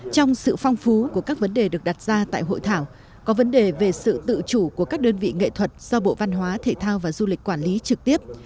trong sự phong phú của các vấn đề được đặt ra tại hội thảo có vấn đề về sự tự chủ của các đơn vị nghệ thuật do bộ văn hóa thể thao và du lịch quản lý trực tiếp